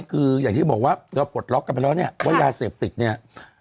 คืออย่างที่บอกว่าเราปลดล็อคกันไปแล้วเนี่ย